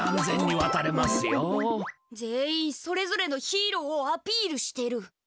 全員それぞれのヒーローをアピールしてる。